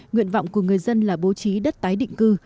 nguyện vọng của người dân là bố trí đất tái định cư